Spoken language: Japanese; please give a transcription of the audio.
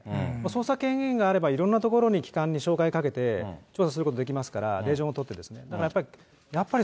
捜査権限があれば、いろんなところに機関に照会かけて、調査することできますから、令状も取っていますから。